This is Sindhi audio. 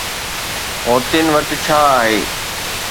حوثين وٽ ڇا آهي؟